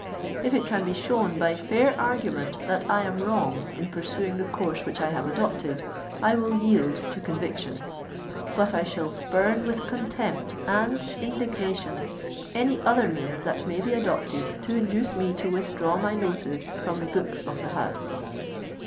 If it can be shown by fair argument that I am wrong in pursuing the course which I have adopted, I will yield to conviction; but I shall spurn with contempt and indignation any other means that may be adopted to induce me to withdraw my notice from the books of the House."